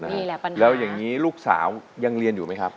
นี่แหละแล้วอย่างนี้ลูกสาวยังเรียนอยู่ไหมครับ